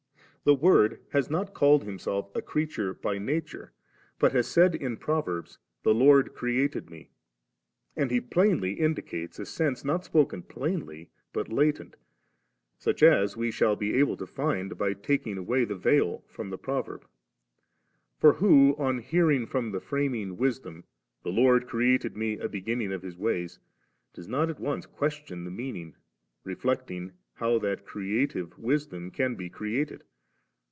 The Word has not called Himself a creature by nature, but has said in proverbs, *The Lord created me;* and He plainly indi cates a sense not spoken * plainlv ' but latent^ such as we shall be able to nnd by taking away the veil from the proverb. For who, on hearing from the Framing Wisdom, 'The Lord created me a beginning of His wajrs,' does not at once question the meaning, reflecting how Uiat creative Wisdom can be created?